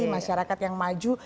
masyarakat yang maju